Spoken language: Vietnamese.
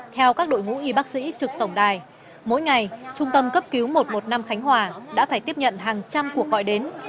theo các đội ngũ y bác sĩ trực tổng đài mỗi ngày trung tâm cấp cứu một trăm một mươi năm khánh hòa đã phải tiếp nhận hàng trăm cuộc gọi đến